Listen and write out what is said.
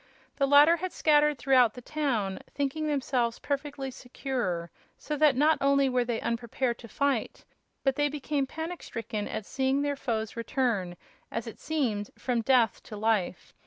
The latter had scattered throughout the town, thinking themselves perfectly secure, so that not only were they unprepared to fight, but they became panic stricken at seeing their foes return, as it seemed, from death to life.